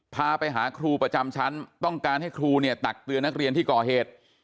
พาไปหาครูประจำชั้นต้องการให้ครูเนี่ยตักเตือนนักเรียนที่ก่อเหตุ